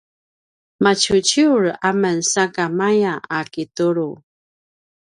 maciuciur amen sakamaya a kitulu